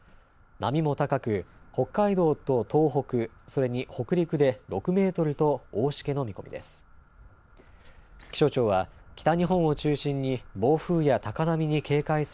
波も高く北海道と東北、それに北陸で６メートルと大しけの見込みです。